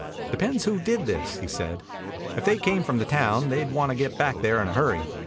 "Depends who did this," he said. "If they come from the town, they'd want to get back there in a hurry.